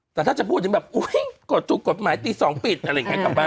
แต่ถ้าจะพูดถึงแบบอุ๊ยกดถูกกฎหมายตี๒ปิดอะไรอย่างนี้กลับบ้าน